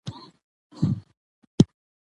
او ناخواله مونږ ته ضرور یو څه په لاس راکوي